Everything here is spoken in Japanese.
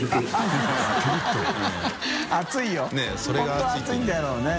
本当は熱いんだろうね。